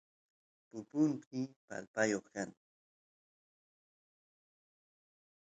pupumpi paltayoq kan